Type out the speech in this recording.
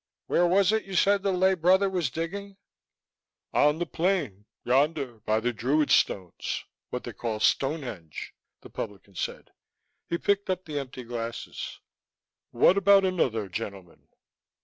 "Where was it you said the lay brother was digging?" "On the plain, yonder, by the Druid's stones, what they call Stonehenge," the publican said. He picked up the empty glasses. "What about another, gentlemen?"